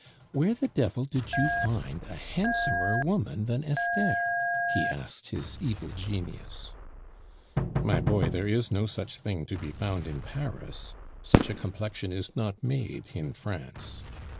"Where the devil did you find a handsomer woman than Esther?" he asked his evil genius. "My boy, there is no such thing to be found in Paris. Such a complexion is not made in France."